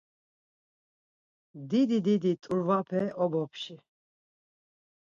Didi didi t̆uvrape obopşi.